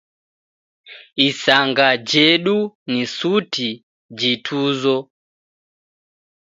Isanga jedu ni suti jituzo